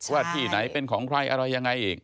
ว่าที่ไหนเป็นของใครอะไรยังไงอีก